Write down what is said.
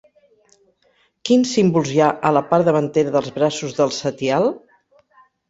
Quins símbols hi ha a la part davantera dels braços del setial?